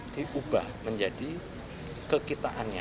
diubah menjadi kekitaannya